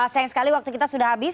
sayang sekali waktu kita sudah habis